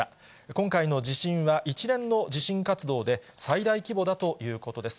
今回の地震は一連の地震活動で最大規模だということです。